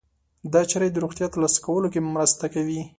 دا چاره يې د روغتیا ترلاسه کولو کې مرسته کوي.